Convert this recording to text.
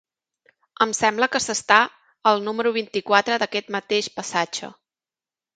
Em sembla que s'està al número vint-i-quatre d'aquest mateix passatge.